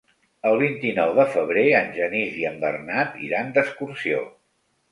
El vint-i-nou de febrer en Genís i en Bernat iran d'excursió.